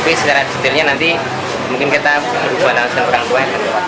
tapi secara jadinya nanti mungkin kita berubah alasan orang tua